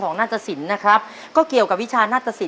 ของน่าตระศิลป์นะครับก็เกี่ยวกับวิชาน่าตระศิลป์